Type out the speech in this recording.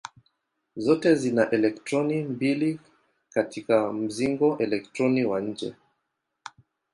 Zote zina elektroni mbili katika mzingo elektroni wa nje.